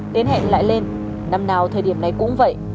đến hẹn lại lên năm nào thời điểm này cũng vậy